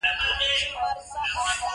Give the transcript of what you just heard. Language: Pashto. نه له دې ورهاخوا، له بري پرته بل څه نشته.